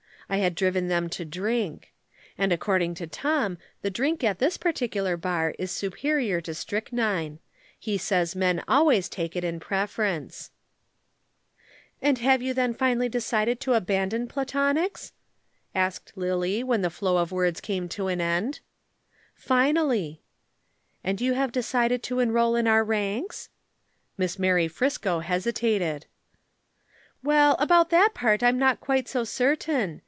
I had driven them to drink. And according to Tom the drink at this particular bar is superior to strychnine. He says men always take it in preference." [Illustration: Driven to Drink.] "And have you then finally decided to abandon Platonics?" asked Lillie, when the flow of words came to an end. "Finally." "And you have decided to enroll in our ranks?" Miss Mary Friscoe hesitated. "Well about that part I'm not quite so certain.